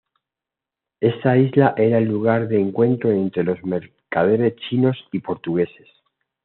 Esta isla era el lugar de encuentro entre los mercaderes chinos y portugueses.